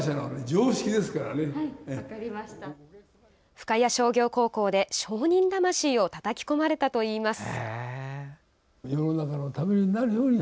深谷商業高校で、商人魂をたたき込まれたといいます。